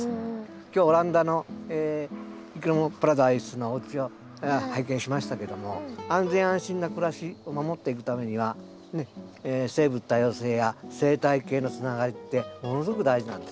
今日オランダのいきものパラダイスのおうちを拝見しましたけども安全安心な暮らしを守っていくためには生物多様性や生態系のつながりってものすごく大事なんですね。